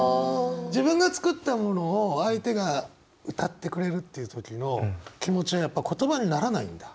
自分が作ったものを相手が歌ってくれるっていう時の気持ちはやっぱ言葉にならないんだ？